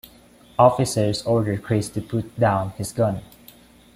Officers order Chris to put down his gun.